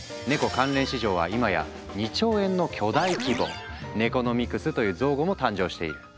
関連市場はいまや２兆円の巨大規模！「ネコノミクス」という造語も誕生している。